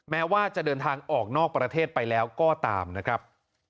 แม้ว่าจะเดินทางออกนอกประเทศไปแล้วก็ตามนะครับ